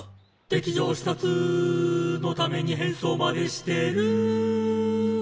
「敵情視察」「のために変装までしてる」